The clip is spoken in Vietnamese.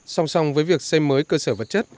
song song với việc xây mới cơ sở vật chất